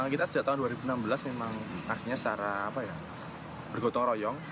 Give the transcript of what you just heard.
kita sejak tahun dua ribu enam belas memang aksinya secara bergotong royong